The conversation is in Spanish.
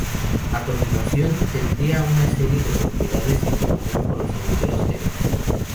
A continuación, tendría una serie de propiedades en común con los agujeros negros.